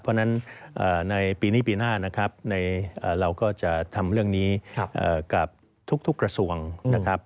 เพราะฉะนั้นในปีนี้ปีหน้านะครับเราก็จะทำเรื่องนี้กับทุกกระทรวงนะครับ